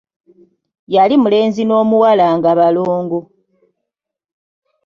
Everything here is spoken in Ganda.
Yali mulenzi n'omuwala nga balongo.